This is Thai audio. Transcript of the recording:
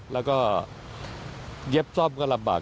แล้วก็เย็บซ่อมก็ลำบาก